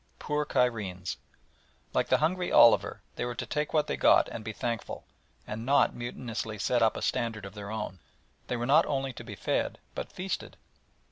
Poor Cairenes! like the hungry Oliver they were to take what they got and be thankful, and not mutinously set up a standard of their own. They were not only to be fed but feasted.